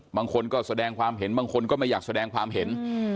บางคนก็แสดงความเห็นบางคนก็ไม่อยากแสดงความเห็น